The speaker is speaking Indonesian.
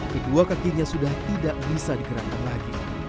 kedua kakinya sudah tidak bisa digerakkan lagi